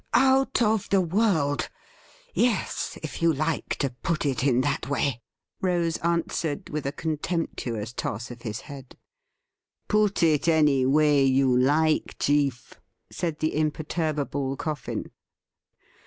' Out of the world — yes, if you like to put it in that way,' Rose answered, with a contemptuous toss of his head. ' Put it any way you like, chief,' said the imperturbable Coffin.